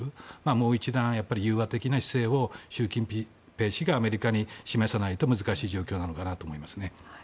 もう一段、融和的な姿勢を習近平氏がアメリカに示さないと難しい状況なのかなと思いますね。